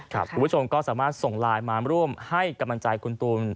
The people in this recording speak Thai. คุณผู้ชมก็สามารถส่งไลน์มาร่วมให้กำลังใจคุณตูน